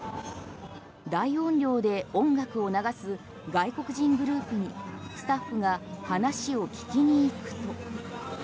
大音量で音楽を流す外国人グループにスタッフが話を聞きに行くと。